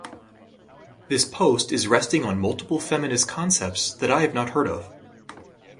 This post is resting on multiple feminist concepts that I have not heard of.